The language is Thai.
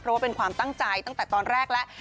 เพราะว่าเป็นความตั้งใจตั้งแต่ตอนแรกแล้ว